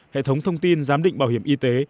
hệ thống thông tin giám định bảo hiểm y tế